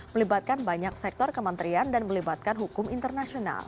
melibatkan banyak sektor kementerian dan melibatkan hukum internasional